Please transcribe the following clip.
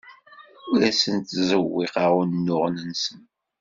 Ur asen-ttzewwiqeɣ unuɣen-nsen.